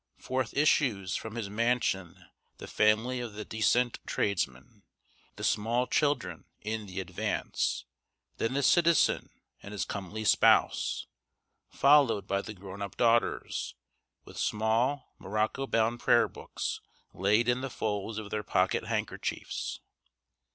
Forth issues from his mansion the family of the decent tradesman, the small children in the advance; then the citizen and his comely spouse, followed by the grown up daughters, with small morocco bound prayer books laid in the folds of their pocket handkerchiefs.